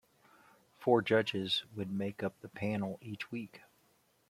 Four judges would make up the panel each week.